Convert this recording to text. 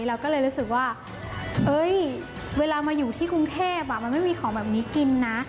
เราก็เลยรู้สึกว่าเวลามาอยู่ที่กรุงเทพมันไม่มีของแบบนี้กินนะ